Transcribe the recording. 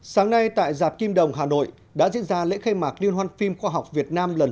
sáng nay tại dạp kim đồng hà nội đã diễn ra lễ khai mạc liên hoan phim khoa học việt nam lần thứ